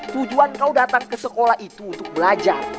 tujuan kau datang ke sekolah itu untuk belajar